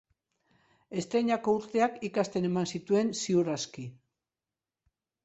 Estreinako urteak ikasten eman zituen ziur aski.